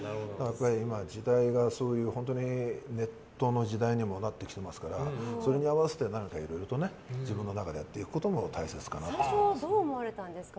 今、時代がそういうネットの時代にもなってきてますからそれに合わせていろいろと自分でやっていくことも最初はどう思われたんですか？